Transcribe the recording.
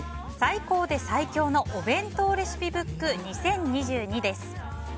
最高で最強のお弁当レシピブック２０２２です。